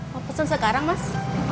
mau pesen sekarang mas